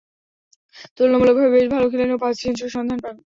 তুলনামূলকভাবে বেশ ভালো খেলেন ও পাঁচটি সেঞ্চুরির সন্ধান পান।